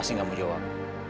masih nggak mau jawab